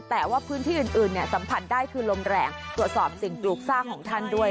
แต่ว่าพื้นที่อื่นสัมผัสได้คือลมแรงตรวจสอบสิ่งปลูกสร้างของท่านด้วย